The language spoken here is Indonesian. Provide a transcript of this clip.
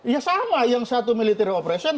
ya sama yang satu military operation